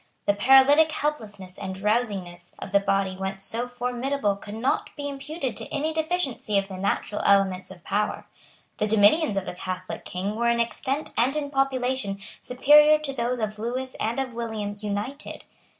The paralytic helplessness and drowsiness of the body once so formidable could not be imputed to any deficiency of the natural elements of power. The dominions of the Catholic King were in extent and in population superior to those of Lewis and of William united.